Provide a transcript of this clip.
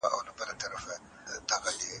څه دې چې نيم مخ يې د وخت گردونو پټ ساتلی